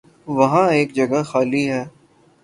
وہاں ایک جگہ خالی ہے۔